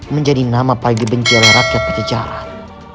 menjadi nama pagi benjala rakyat pejajaran